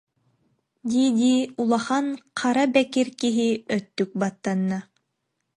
дии-дии улахан хара бэкир киһи өттүк баттанна